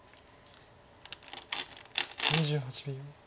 ２８秒。